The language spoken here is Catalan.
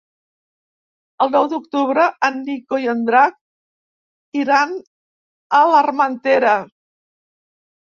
El nou d'octubre en Nico i en Drac iran a l'Armentera.